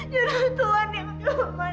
ya tuhan ya tuhan